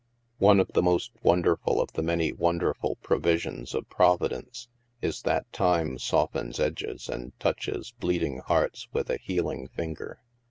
One of the most wonderful of the many wonder ful provisions of Providence is that Time softens edges and touches bleeding hearts with a healing finger.